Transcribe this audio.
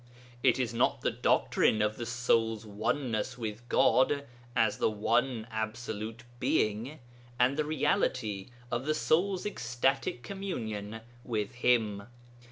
It is not the doctrine of the soul's oneness with God as the One Absolute Being, and the reality of the soul's ecstatic communion with Him.